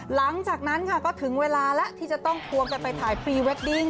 หลังจากนั้นค่ะก็ถึงเวลาแล้วที่จะต้องควงกันไปถ่ายพรีเวดดิ้ง